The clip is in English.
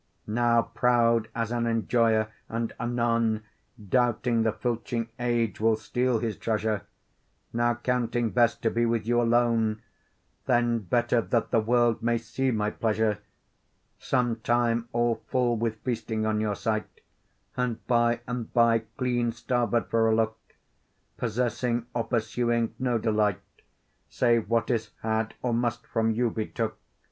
Now proud as an enjoyer, and anon Doubting the filching age will steal his treasure; Now counting best to be with you alone, Then better'd that the world may see my pleasure: Sometime all full with feasting on your sight, And by and by clean starved for a look; Possessing or pursuing no delight, Save what is had, or must from you be took.